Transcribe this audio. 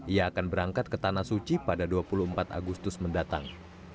ia akan berangkat ke tanah suci pada dua puluh empat agustus mendatang